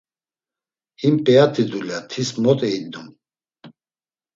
Him p̌at̆i dulya tis mot eindum?